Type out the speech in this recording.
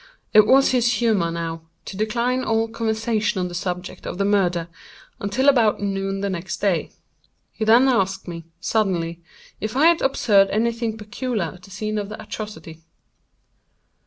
It was his humor, now, to decline all conversation on the subject of the murder, until about noon the next day. He then asked me, suddenly, if I had observed any thing peculiar at the scene of the atrocity.